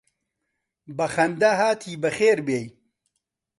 بە خەندە هاتی بەخێر بێی